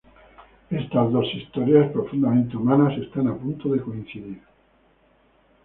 Estas dos historias profundamente humanas están a punto de coincidir.